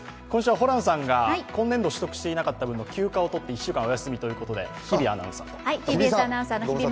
今週はホランさんが今年度取得していなかった分の休暇をとって１週間お休みということで、日比アナウンサーと。